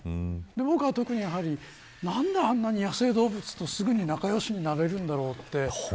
僕は特に、何であんなに野生動物とすぐに仲良しになれるんだろうって。